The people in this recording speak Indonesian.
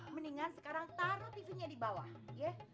mendingan sekarang taruh tv nya di bawah ya